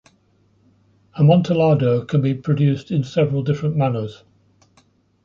Amontillado can be produced in several different manners.